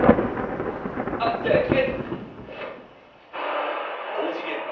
あっじゃあ着替えてきます。